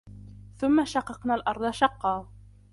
ثم شققنا الأرض شقا